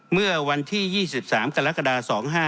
เมื่อวันที่๒๓กรกฎา๒๕๖